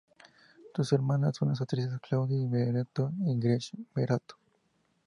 Sus hermanas son las actrices Claudine Barretto y Gretchen Barretto.